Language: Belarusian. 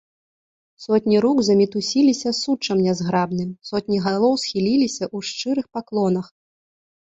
Сотні рук замітусіліся суччам нязграбным, сотні галоў схіліліся ў шчырых паклонах.